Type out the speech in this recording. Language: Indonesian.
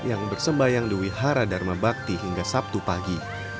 yang bersembayang di wihara dharma bakti hingga sabtu pagi